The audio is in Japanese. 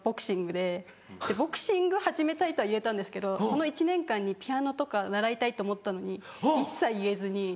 でボクシング始めたいとは言えたんですけどその１年間にピアノとか習いたいって思ったのに一切言えずに。